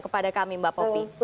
kepada kami mbak popi